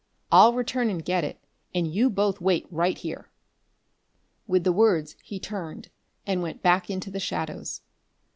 I'll return and get it, and you both wait right here." With the words he turned and went back into the shadows.